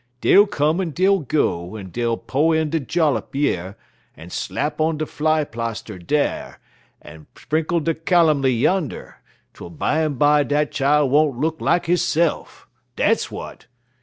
Dey'll come en dey'll go, en dey'll po' in der jollup yer, en slap on der fly plarster dar, en sprinkle der calomy yander, twel bimeby dat chile won't look like hisse'f. Dat's w'at!